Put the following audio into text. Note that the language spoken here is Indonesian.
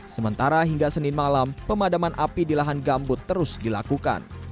sementara hingga senin malam pemadaman api di lahan gambut terus dilakukan